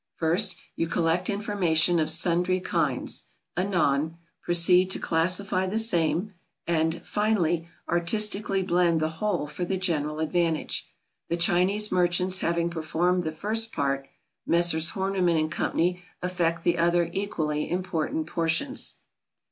First, you collect information of sundry kinds; anon, proceed to classify the same; and, finally, artistically blend the whole for the general advantage. The Chinese merchants having performed the first part, Messrs. Horniman & Co. effect the other equally important portions.